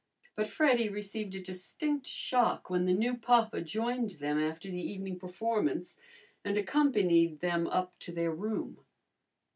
But Freddy received a distinct shock when the new papa joined them after the evening performance and accompanied them up to their room.